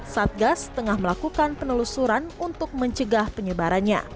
satgas tengah melakukan penelusuran untuk mencegah penyebarannya